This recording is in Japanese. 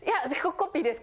コピーです。